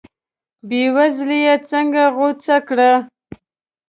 بې وزلي یې څنګه غوڅه کړه.